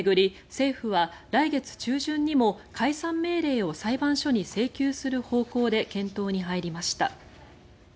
政府は来月中旬にも解散命令を裁判所に請求する方向で検討に入りました。